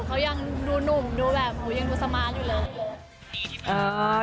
เขายังดูหนุ่มดูแบบยังดูสมาร์ทอยู่เลย